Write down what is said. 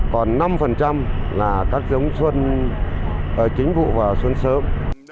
còn năm là các giống xuân chính vụ vào xuân sớm